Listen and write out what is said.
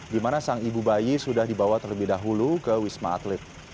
di mana sang ibu bayi sudah dibawa terlebih dahulu ke wisma atlet